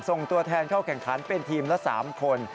ส่งตัวแทนเข้าแข่งขันเป็นทีมละ๓คน